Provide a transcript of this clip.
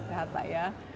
sehat pak ya